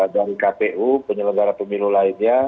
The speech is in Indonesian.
dari kpu penyelenggara pemilu lainnya